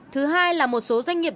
thứ hai là một số doanh nghiệp